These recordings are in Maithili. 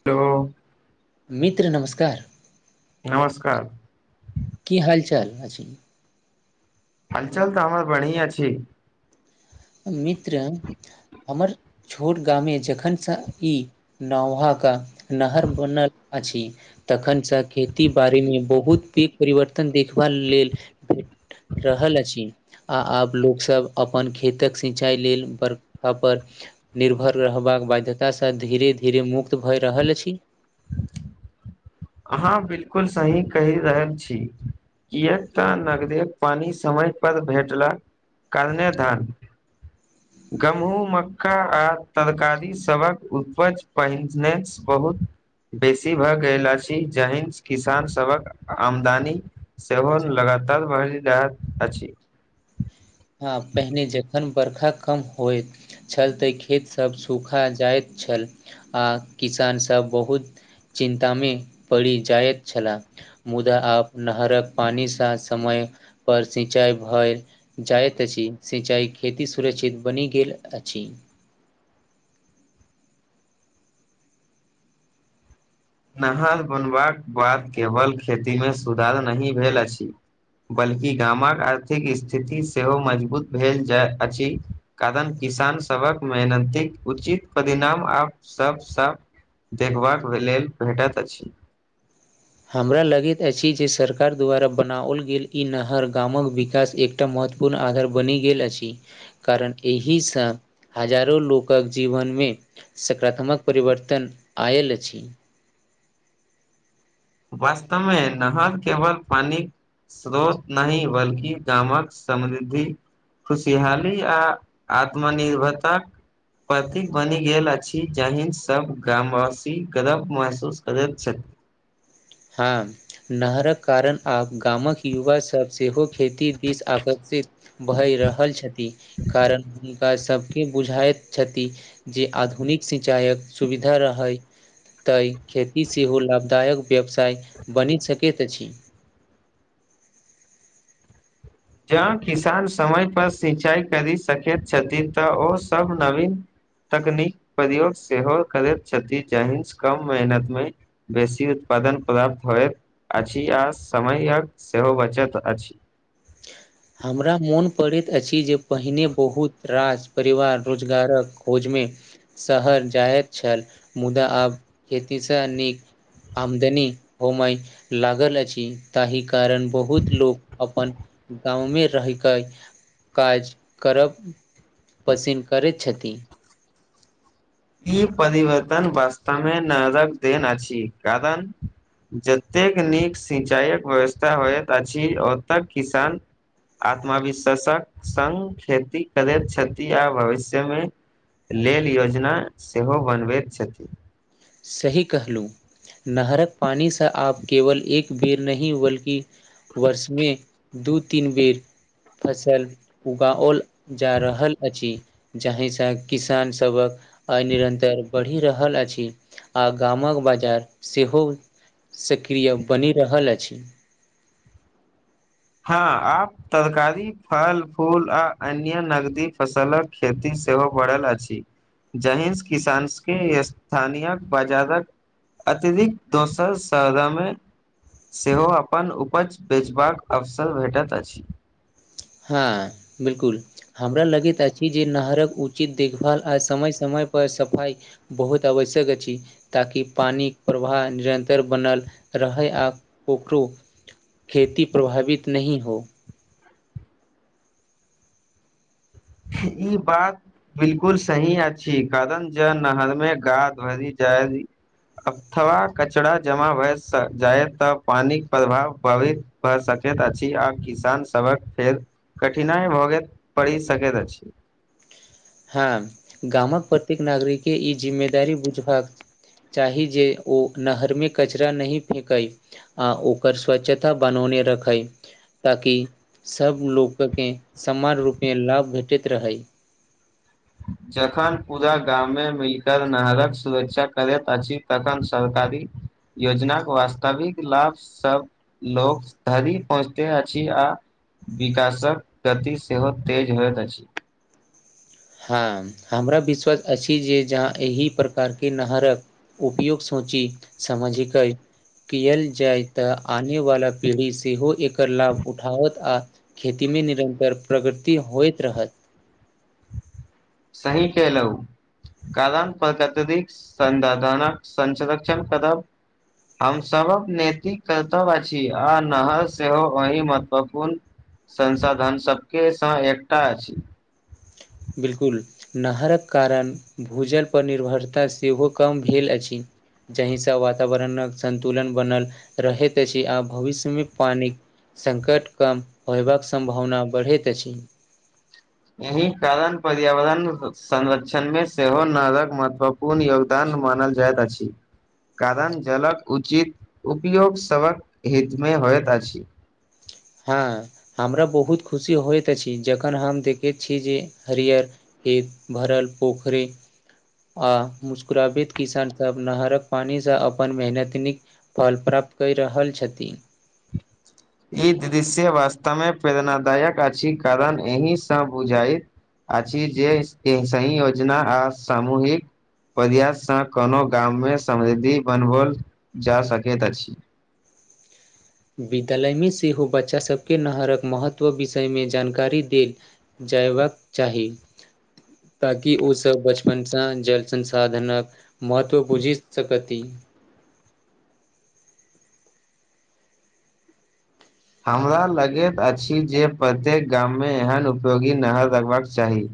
[unintelligible] मित्र नमस्कार नमस्कार की हाल चचाल अछ हालचाल तऽ हमर बढ़ी अ छी मित्र हमर छोट गामे जखन से ई नौह क नहर बनल अछि तखन से खेती बाड़ी मे बहुत पघ परिवर्तन देखबा लेल रहल अछि आ आब लोकसभ अपन खे खेतक सिंचाइ लेल बरखापर, निर्भर रहबाक बाध्यता सँ धीरे धीरे मुक्त भऽ रहल अछि [unintelligible] अहाँ बिलकुल सही कहि रहल छी किएक तऽ नगदेव पानि समय पर भेटलाक [unintelligible] धान [unintelligible] गहूँम मक्का आ तरकारी सभक उतज पहिरनेसँ बहुत बेसी भऽ गेल अछि जहि किसान सभक आमदनी सेवन लगातार बढ़ि दे अच्छी हँ पहिने जखन बर्खा कम होयत छल तऽ खेतसभ सूखा जाइत छल आ किसान सभ बहुत चिन्तामे पड़ि जाइत छल मुदा आब नहरक पानि सा समय पर सिंचाई भईल जाइत अछि सिंचाइ खेती सुरक्षित बनि गेल अछि नहाय बनबाक बाद केवल खेतीमे सुधार नहि भेल अछि बल्कि गामक आर्थिक स्थिति सेहो मजबूत भेल जाय अछि कारण किसान सबक मेहनती उचित परिणाम आ सब सब देखबाक लेल भेटैत अछि हमरा लगैत अछि जे सरकार द्वारा बनाओल गेल ई नहर गामक विकास एक एकटा महत्वपूर्ण आधार बनि गेल अछि कारण एहिसँ हजारो लोकक जीवन मे सकारात्मक परिवर्तन आयल अछि वास्तव मे नहर केवल पानि स्रोत नहि बल्कि गामक समृद्धि खुशहाली आ आत्मनिर्भरताक प्रतीक बनि गेल अछि जाहिन सभ गामवासी गर्व महसूस करैत छथि हँ नहरक कारण आब गामक युवा सब सेहो खेती दिस आकर्षित भहि रहल छथि कारण हुनका सभके बुझाइत छथि जे आधुनिक सिंचाईक सुविधा रहय तै खेती सेहो लाभदायक व्यवसाय बनि सकैत अछि जँ किसान समय पर सिंचाई करि सकैत छथिन तऽ ओ सब नवीन तकनीक प्रयोग सेहो करैत छथि जाहि कम मेहनत मे बेसी उत्पादन प्राप्त होइत अछि आ समयक सेहो बचत अछि हमरा मोन पड़ैत अछि जे पहिने बहुत राज परिवार रोजगारक खोज मे शहर जायइत छल मुदा आब खेतीस नीक आमदनी होमय लागल अछि ताहि कारण बहुत लोको अपन। गाव मे रहिके काज करब पसिन्न करैत छथिन ई परवर्तन बास्तवमे नजकऽ देन अछि कारण जतेक नीक सिंचाइक व्यवस्था होइत अछि ओतेक किसान। आत्मविश्वासक संग खेती करैत छथि आ भविष्य मे लेल योजना सेहो बनबैत छथिन सही कहलहु नहरकऽ पानिसँ आप केवल एक बेर नहि बल्कि वर्ष मे दू तीन बेर फसल उगा ओल जा रहल अछि जाहिसँ किसान सभकऽ आ निरन्तर बढ़ि रहल अछि आ गाम कऽ बाजार सेहो सक्रिय बनि रहल अछि ह आप तरकारी फल फूल आ अन्य नगदी फसल कऽ खेती सेहो बढ़ल अछि जहाँ स किसान के स्थानीय बाजार कऽ अतिरिक्त दोसर सरदामे सेहो अपन उपज बेचबा कऽ अवसर भेटैत अछि। हँ बिल्कूल हमरा लगैत अछि जे नहरक उचित देखभाल आ समय समयपर सफाई बहुत आवश्यक अछि ताकि पानी प्रवाह निरन्तर बनल रहै आ कखो। खेती प्रभावित नहि होई ई बात। बिल्कूल सही अछि कारण नहर मे गा भरि जाय अथवा कचरा जमा भए जाय तऽ पानिक प्रभाव भावित। भऽ सकैत अछि आ किसान सभ के फेर कठिनाई भऽ पड़ि सकैत अछि ठीक। ह गाम कऽ प्रत्येक नागरिकके ई जिम्मेदारी बुझबाक चाही जे ओ नहरमे कचरा नहि फेकय ओकर स्वच्छता बनौने रखै ताकि सभ लोक के समान रूप मे लाभ भेटैत रहै जखन पूरा गाम मे मिलकर नहर कऽ सुरक्षा करैत अछि तखन सरकारी। योजना कऽ वास्तविक लाभ सभ लोकग धरी पहुँचते आ विकासक गति सेहो तेज होइत अछि। ह हमरा विश्वास अछि जे जहाँ एहि प्रकारके नरक। उपयोग सोची समाजिक कयल जाय तऽ आनेवला पीढ़ी सेहो एकर लाभ उठाओत आ खेती मे निरन्तर प्रगति होइत रहत। सही केलहु। कारण प्रकतिरि कऽ संधनक संर्षण करब हम सभ के नैतिक कर्तव्य अछि आ नहर सेहो एहिह महत्वपूर्ण संसाधन सभकेसँ एकटा अछि। बिल्कूल नहर कऽ कारण भूजलपर निर्भरता सेहो कम भेल अछि जहिसँ वातावरण कऽ संन्तुलन बनल रहैत अछि आ भविष्यमे पानि संकट कम होयबा कऽ सम्भावना बढ़ैत अछि एहि कारण पर्यावरण संरक्षण मे सेहो नरकऽ महत्वपूर पूर्ण योगदान मानल जाइत अछि। कारण जल कऽ उचित उपयोग सभक हितमे होइत अछि ह हमरा बहुत खुशी होइत अछि जखन हम देखैत छी जे हरियर कि भरल पोखरे आ मुस्कराबैत किसानसभ नहरकऽ पानिसँ अपन मेहनत निक फल प्राप्त करि रहल छथिन। ई दृश्य वास्तव मे प्रेरणादाय कऽ अछि कारण एहिसँ बुझाय अछि जे सही योजना आ सामूहिकऽ प्रयासँ कोनो गाम मे समृद्धि बनओल जा सकैत अछि विद्यालयमे सेहो बच्चा सभके नहरकऽ महत्व विषयमे जानकारी देल जयबाकऽ चाही ताकि ओ सभ बचपनसँ जल संसाधनक महत्व बुझी अछि हमरा लगैत अछि जे प्रत्येक गाम मे एहन उपयोगी नहर लगबाकऽ चाही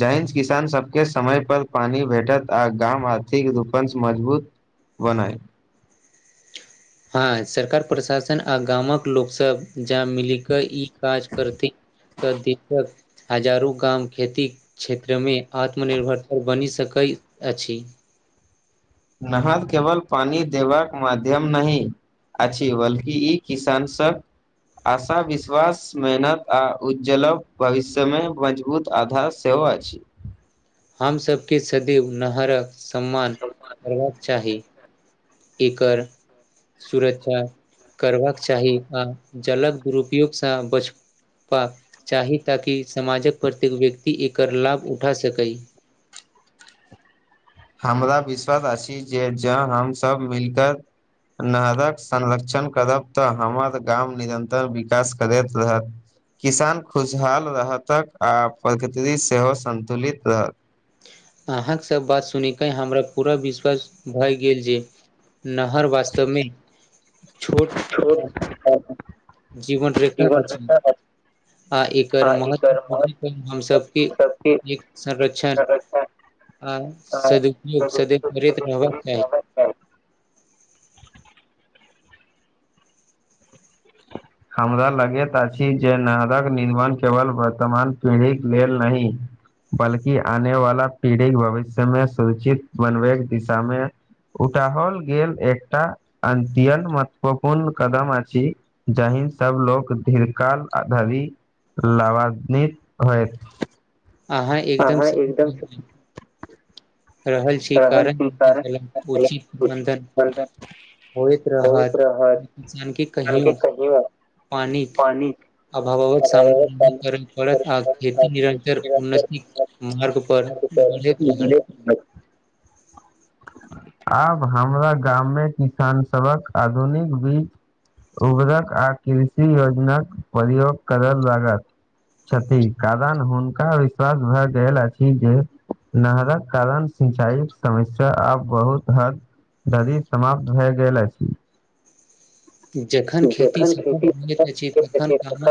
जहिं किसान सभके समय पर पानी भेटत आ गाम आर्थिक रूपं मजबूत बनाए हँ सरकार प्रशासन आ गाम कऽ लोकसभ जा मिलिक ई काज करथि तऽ दिक्कत हजारो गाम खेती क्षेत्रमे आत्म निर्भर बनि सकैत अछि। नहर केवल पानी देबाकऽ मध्यम नाहि अ बल्कि ई किसान सभ आश विश्वास मेहनत आ उज्जल भविष्य मे मजबूत आधार सेव अछि हमसभके सदैव नहरक सम्मान करबाक चाही एकर सुरक्षा करबाक चाही आ जल कऽ दुरुपयोगसँ बच पा चाही ताकि समाजक प्रत्येक व्यक्ति एकर लाभ उठा सकै हमरा विश्वास अछि जे हम सभ मिल कऽ नहरकऽ संरक्षण करब तऽ हमर गाम निरन्तर विकास करैत रहत किसान खुशहाल रहतक आ प्रकृति सेहो सन्तुलित रहत। अहाँकेँ सभ बात सुनयके हमरा पूरा विश्वास भए गेल जे नहर वास्तव मे छोट जीवन रेखा अछि आ एकर महत्व हम सभके एक संर्षण आ सदुपयोग सद करैत रहबाकाह [inaudible] हमरा लगैत अछि जे नदक निर्मान केवल वर्तमान पीढ़ीक लेलऽ नहि बल्कि आने वाला पीढ़ी भविष्य मे सूचित बन बैके दिशा मे उठओल गेल एकटा अद्य महत्वपूर्ण कदम अछि जहि सभ लोको दीर्घकाल धरि लभान्वित होत अहाँ एकदम सही कहू रहल छै कारण उचित प्रबन्धन। होइत रहत किसानके कहियो पानि कऽ अभावाव सामना नहि कर करत आ खेती निरन्तर मार्ग पर बढ़ रहत। [inaudible] आब हमरा गाम मे किसान सभ के आधुनिक बीज उबर कऽ आ कृषि योजनाक प्रयोग करय लागत छथिन कारण हुनका विश्वास भए गेल अछि जे नहरा करण। संचाक समस्या आब बहुत हद धरि समाप्त भऽ गेल अछि जखन खेती सफल हो तखन गाम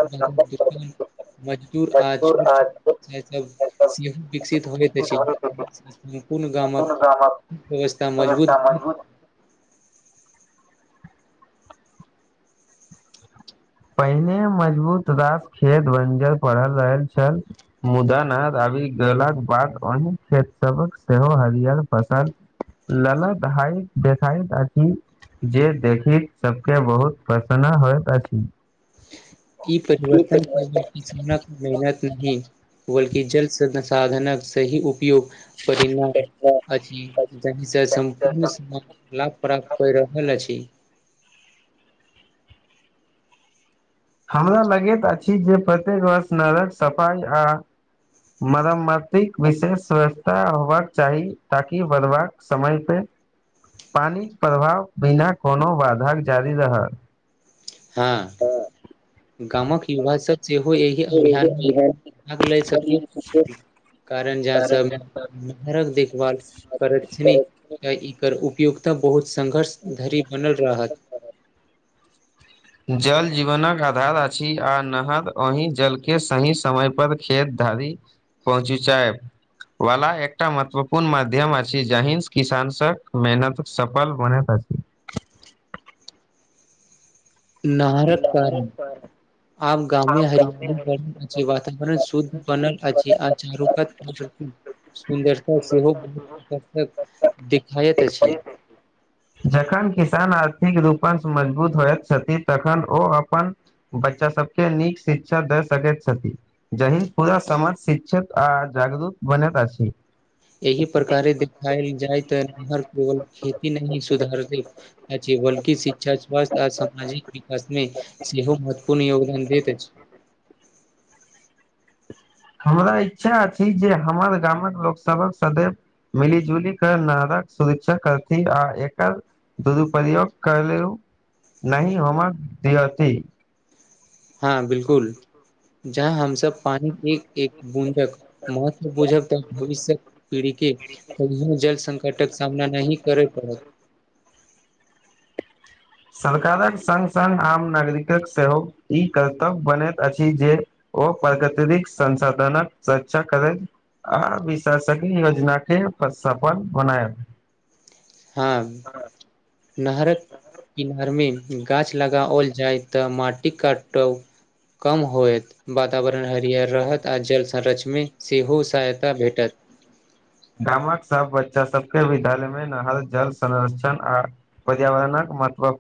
मजदूर आ छोट छोट सभ सेहो विकसित होइत अछि सम्पूर्ण गाम कऽ व्यवस्था मजबूत पहिने मजबूत रास खेत बंजर पढ़ल रहल छेल मुदानद आबि गेलाक बाद अन्य खेत सभ केँ सेहो हरियर फसल लेलऽ तऽ हाय देखाय तऽ कि जे देखिक सभके बहुत प्रसन्न होइत अछि कि परिवर्तन कऽ मेहनत नहि बल्कि जल संसाधनक सही ऊपर उपयोग परिणाम। अछि जाहिसँ सम्पूर्ण समाज लाभ प्राप्त करि रहल अछि। हमरा लगैत अछि जे प्रत्येक वर्ष नग कऽ सफाई आ मरम्तिक विशेष ववस्था होबा कऽ चाही ताकि बढ़बाक समय पे पानि कऽ प्रभाव बिना कोनो बाधा जारी रहल। ह गाम कऽ युवा सभ सेहो एहि अभियानमे भाग लए सकै कारण जह सभ नर कऽ देखभाल करैत छनि तऽ एकर उपयोगिता बहुत संघर्ष धरि बनल रहत। जल जीवन कऽ अधार अछि आ नहर एहि जलके सही समयपर खेत धारी पहुँच चाय। वाला एकटा महत्वपूर्ण माध्यम आ जहिस किसानक मेहनत सफल मन नारक कात आब गामे हरियाली बढ़ल अछि वातावरण शुद्ध बनल अछि अचारू कऽ हम सभके सुन्दरता सेहो बहुत आकर्षक देखायैत अछि। जखन किसान आर्थिक रूपणसँ मजबूत होइत छथिन। तखन ओ अपन बच्चा सभके नीक शिक्षा दे सकैत छथिन। जहि पूरा समाज शिक्षित आ जागरूत बनैत अछि। एहि प्रकारे देखायल जाय ते नहर केवल खेती नहि ही सुधारत। बल्कि शिक्षा स्वास्थ्य आ सामाजिक विकास म सेहो महत्वपूर्ण योगदान दैत अछि हमरा इच्छा अछि जे हमर गाम कऽ लोक सभके सदैव मिली जुली कर नारकऽ सुरिक्षा करथि आ एकर ददुपयोग करेलू नहि होबाक दती। हँ बिल्कूल जहाँ हमसभ पानीक एक-एक बूँदक महत्वपू भविष पीढ़ी के जल संकट। सामना नही करे पड़त। सरकारक संग संग आम नागरिक कऽ सेहो ई कर्तव्य बनैत अछि जे ओ प्रगतिरिक संसाधन कऽ सुरक्षा करैत आ विशेषज्ञ योजना केँ सफल बनायब हँ [inaudible] नहर कऽ किनार में लगाओल जाय तऽ माटी कटाव कम होएत। वातावरण हरिहर रहत आ जल संरक्ष में सेहो सहायता भेटत गाम कऽ सब बच्चा सब केँ विद्यालय में नहर जल संरक्षण आ पर्यावरण कऽ महत्व